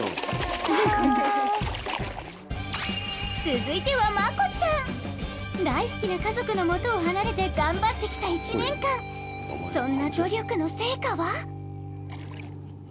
続いては真瑚ちゃん大好きな家族のもとを離れて頑張ってきた１年間そんな努力の成果は？